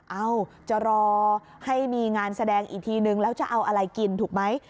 เอ้าจะรอให้มีงานแสดงอีกทีนึงแล้วจะเอาอะไรกินถูกไหม